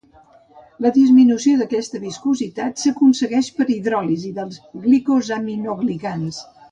La disminució d'aquesta viscositat s'aconsegueix per hidròlisi dels glicosaminoglicans.